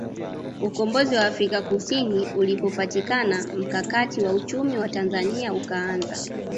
Ukombozi wa Afrika Kusini ulipopatikana mkakati wa uchumi wa Tanzania ukaanza